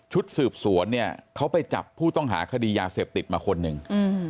สืบสวนเนี่ยเขาไปจับผู้ต้องหาคดียาเสพติดมาคนหนึ่ง